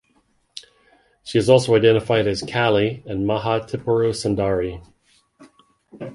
She is also identified as Kali and Maha Tripura Sundari.